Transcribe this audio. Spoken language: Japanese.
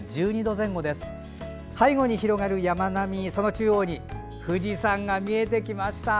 背後に広がる山並み、その中央に富士山が見えてきました。